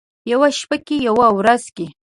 یوه شپه که یوه ورځ کې،